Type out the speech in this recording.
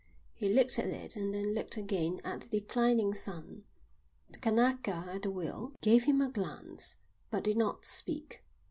He looked at it and then looked again at the declining sun. The Kanaka at the wheel gave him a glance, but did not speak.